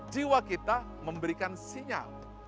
jiwa kita memberikan sinyal